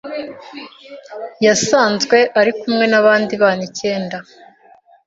Yasanzwe ari kumwe n’abandi bana icyenda